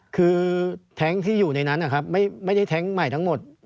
คือแท็งค์ที่อยู่ในนั้นนะครับไม่ได้แท้งใหม่ทั้งหมด